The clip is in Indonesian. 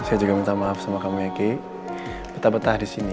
ya saya juga minta maaf sama kamu ya kiki betah betah disini ya